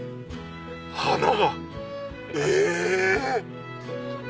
花がえ！